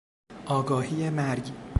آگاهی مرگ